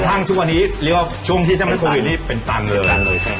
จบกระทั่งทุกวันนี้หรือว่าช่วงที่จะมีโควิดนี้เป็นตังค์เลย